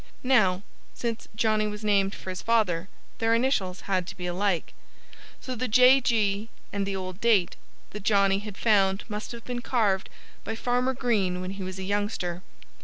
Now, since Johnnie was named for his father, their initials had to be alike. So the J. G. and the old date that Johnnie had found must have been carved by Farmer Green when he was a youngster.